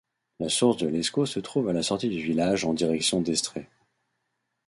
La source de l'Escaut se trouve à la sortie du village en direction d'Estrées.